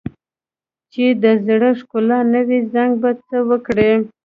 چې د زړه ښکلا نه وي، زنګ به څه وکړي؟